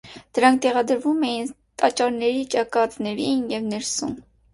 Դրանք տեղադրվում էին տաճարների ճակատներին և ներսում։